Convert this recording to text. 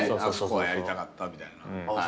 あそこはやりたかったみたいな。